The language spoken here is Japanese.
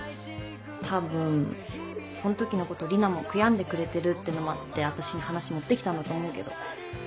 多分その時のこと里奈も悔やんでくれてるってのもあって私に話持ってきたんだと思うけど。